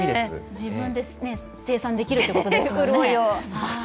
自分で生産できるということですもんね、潤いを。